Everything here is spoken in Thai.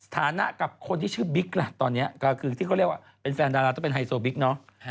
ฐานะกับคนที่ชื่อบิ๊กล่ะตอนนี้ก็คือที่เขาเรียกว่าเป็นแฟนดาราต้องเป็นไฮโซบิ๊กเนาะ